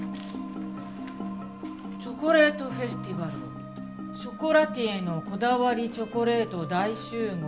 「チョコレートフェスティバル」「ショコラティエのこだわりチョコレート大集合！」